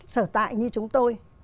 sở tại như chúng tôi